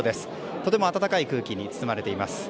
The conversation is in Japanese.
とても温かい空気に包まれています。